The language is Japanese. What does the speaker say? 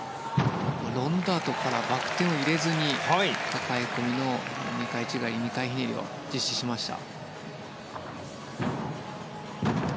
ロンダートからバク転を入れずに抱え込みの２回宙返り２回ひねりを実施しました。